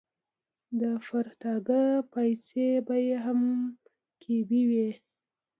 د پرتاګه پایڅې به یې هم ګیبي وې.